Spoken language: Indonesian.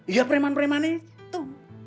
ya preman preman itu